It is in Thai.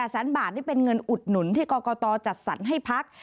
แสนบาทนี่เป็นเงินอุดหนุนที่กรกตจัดสรรให้พัก